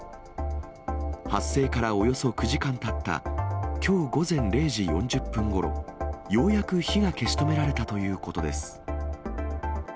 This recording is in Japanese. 発生からおよそ９時間たった、きょう午前０時４０分ごろ、ようやく火が消し止められたということです。